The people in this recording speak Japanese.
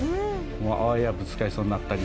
あわやぶつかりそうになったりとか。